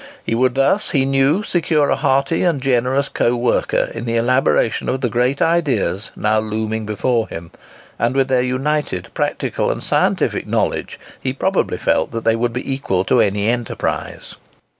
He would thus, he knew, secure a hearty and generous co worker in the elaboration of the great ideas now looming before him, and with their united practical and scientific knowledge he probably felt that they would be equal to any enterprise.